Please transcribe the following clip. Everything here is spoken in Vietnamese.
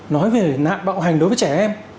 nói về nạn bạo hành đối với trẻ em